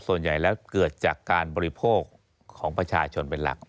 ส่วนใหญ่แล้วเกิดจากการบริโภคของประชาชนเป็นหลัก